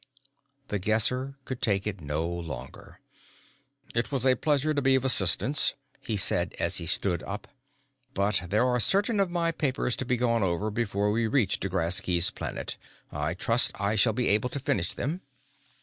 The Guesser could take it no longer. "It was a pleasure to be of assistance," he said as he stood up, "but there are certain of my own papers to be gone over before we reach D'Graski's Planet. I trust I shall be able to finish them."